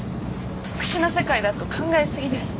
特殊な世界だと考えすぎです